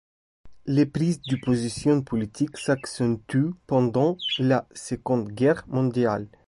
Les prises de position politiques s'accentuent pendannt la Seconde Guerre mondiale.